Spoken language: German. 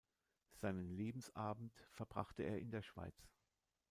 Seinen Lebensabend verbrachte er in der Schweiz.